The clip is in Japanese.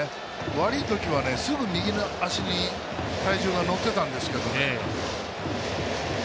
悪い時はすぐに右足に体重が乗ってたんですけどね。